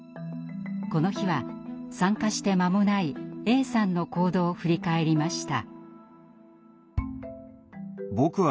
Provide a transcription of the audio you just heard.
この日は参加して間もないＡさんの行動を振り返りました。